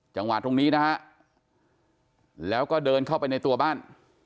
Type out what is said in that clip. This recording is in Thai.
จังหวะตรงนี้นะฮะแล้วก็เดินเข้าไปในตัวบ้าน